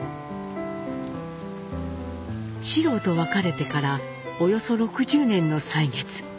四郎と別れてからおよそ６０年の歳月。